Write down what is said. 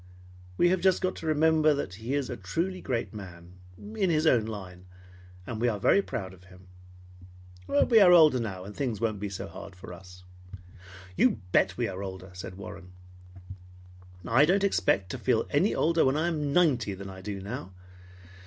We have just got to remember that he is a truly great man in his own line, and we are very proud of him. We are older now, and things won't be so hard for us." "You bet we are older!" said Warren. "I don't expect to feel any older when I am ninety than I do now.